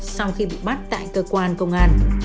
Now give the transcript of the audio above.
sau khi bị bắt tại cơ quan công an